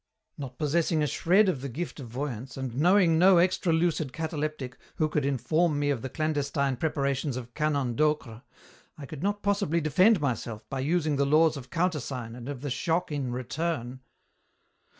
Not possessing a shred of the gift of voyance and knowing no extralucid cataleptic who could inform me of the clandestine preparations of Canon Docre, I could not possibly defend myself by using the laws of countersign and of the shock in return."